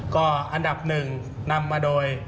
ก็อันดับหนึ่งนำมาโดย